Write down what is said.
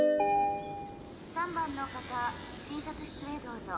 ３番の方診察室へどうぞ。